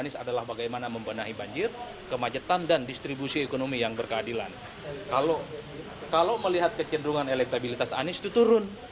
sebagai anggota ekonomi yang berkeadilan kalau melihat kecederungan elektabilitas anies itu turun